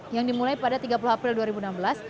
yang dimulai pada tiga puluh april dua ribu enam belas